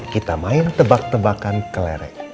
kita main tebak tebakan kelereng